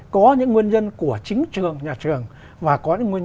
có những nguyên nhân của chính trường nhà trường